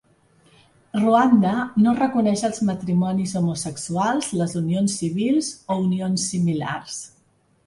Ruanda no reconeix els matrimonis homosexuals, les unions civils o unions similars.